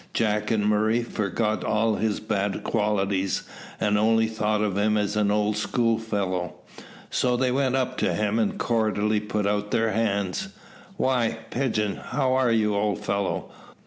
Jack and Murray forgot all his bad qualities, and only thought of him as an old schoolfellow. So they went up to him, and cordially put out their hands. "Why, Pigeon, how are you, old fellow?